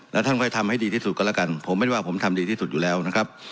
แล้วท่านค่อยทำให้ดีที่สุดก็แล้วกันผมเป็นว่าผมทำดีที่สุดอยู่แล้วนะครับ